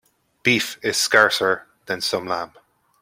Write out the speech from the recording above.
Beef is scarcer than some lamb.